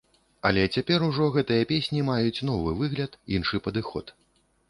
Але цяпер ужо гэтыя песні маюць новы выгляд, іншы падыход.